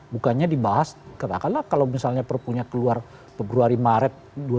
bukannya dibahas kenapa kalau misalnya perpunya keluar peguari maret dua ribu dua puluh dua